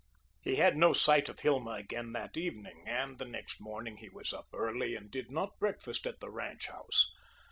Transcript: He had no sight of Hilma again that evening, and the next morning he was up early and did not breakfast at the ranch house.